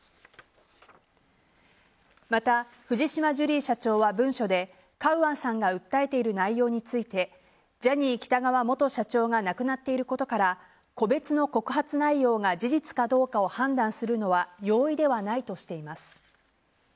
また、藤島ジュリー社長は文書でカウアンさんが訴えている内容についてジャニー喜多川元社長が亡くなっていることから個別の告発内容が事実かどうかを判断するのは容易ではないとしています。